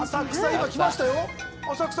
今、きましたよ